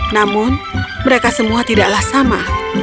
namun mereka semua tidaklah sama